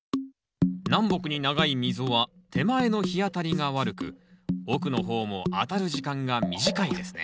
南北に長い溝は手前の日当たりが悪く奥の方も当たる時間が短いですね